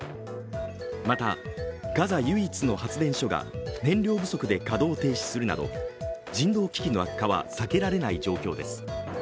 またガザ唯一の発電所が燃料不足で稼働停止するなど、人道危機の悪化は避けられない状況です。